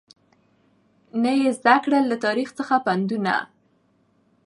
نه یې زده کړل له تاریخ څخه پندونه